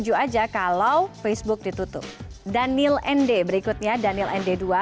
jangan lupa salam